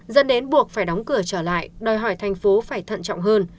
dẫn đến buộc phải đóng cửa trở lại đòi hỏi thành phố phải thận trọng hơn